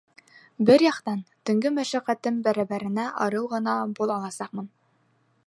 Бер яҡтан, төнгө мәшәҡәтем бәрәбәренә арыу ғына бол аласаҡмын.